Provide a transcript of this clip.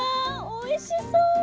おいしそう！